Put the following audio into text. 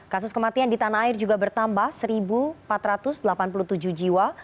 kasus kematian di tanah air juga bertambah satu empat ratus delapan puluh tujuh jiwa